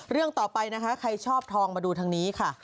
เรื่องต่อไปนะคะใครชอบทองมาดูทางนี้ค่ะ